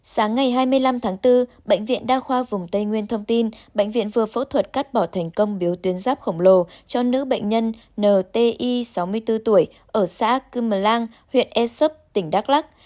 sáng ngày hai mươi năm tháng bốn bệnh viện đa khoa vùng tây nguyên thông tin bệnh viện vừa phẫu thuật cắt bỏ thành công biếu tuyến giáp khổng lồ cho nữ bệnh nhân nti sáu mươi bốn tuổi ở xã cư mờ lang huyện e sấp tỉnh đắk lắc